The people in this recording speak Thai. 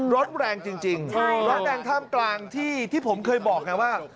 รถแรงจริงรถแดงท่ามกลางที่ผมเคยบอกไงว่า